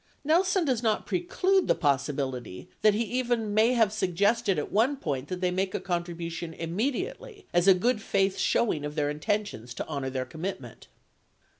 37 Nelson does not preclude the possibility that he even may have suggested at one point that they make a contribution immedi ately as a good faith showing of their intentions to honor their commit ment.